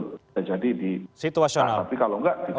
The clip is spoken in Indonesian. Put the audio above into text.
bisa jadi di situasi tapi kalau enggak